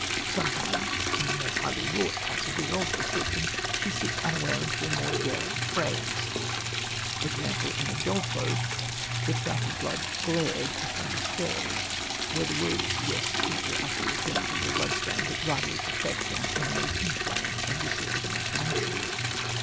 Sometimes, in the more highly wrought passages of description, she slips unawares into a more daring phrase, e.g. in Udolpho, the track of blood "glared" upon the stairs, where the word suggests not the actual appearance of the bloodstain, but rather its effect on Emily's inflamed and disordered imagination.